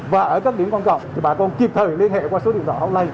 và ở các điểm con cộng thì bà con kịp thời liên hệ qua số điện thoại hotline